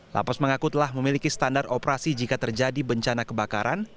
lapas mengaku telah memiliki standar operasi jika terjadi bencana kebakaran